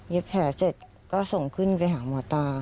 แผลเสร็จก็ส่งขึ้นไปหาหมอตา